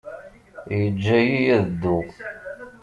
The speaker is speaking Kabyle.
Yeǧǧa-iyi ad dduɣ.